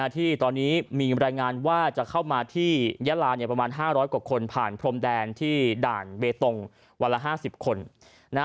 ที่ตอนนี้มีรายงานว่าจะเข้ามาที่ยะลาประมาณ๕๐๐กว่าคนผ่านพรมแดนที่ด่านเบตงวันละ๕๐คน